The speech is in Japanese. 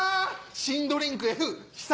新ドリンクＦ試作